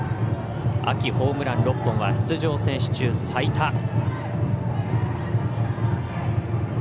秋ホームラン６本は出場選手中最多。